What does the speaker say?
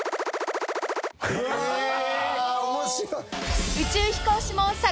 面白い。